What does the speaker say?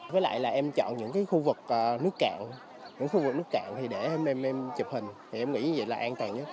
với lại là em chọn những khu vực nước cạn những khu vực nước cạn thì để em chụp hình thì em nghĩ vậy là an toàn nhất